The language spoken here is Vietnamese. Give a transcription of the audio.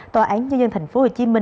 tòa án nhân dân tp hcm